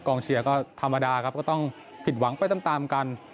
เชียร์ก็ธรรมดาครับก็ต้องผิดหวังไปตามกัน